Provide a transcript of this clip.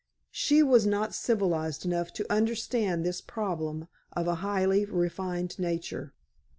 She was not civilized enough to understand this problem of a highly refined nature.